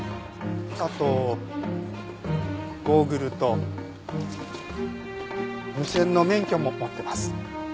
あとゴーグルと無線の免許も持ってます。